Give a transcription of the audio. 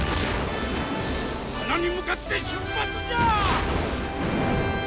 鼻に向かって出発じゃ！